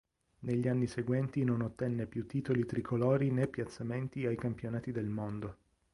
Negli anni seguenti non ottenne più titoli tricolori né piazzamenti ai campionati del mondo.